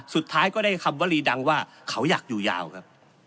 สุดท้ายก็ได้คำวรีดังว่าเขาอยากอยู่ยาวครับ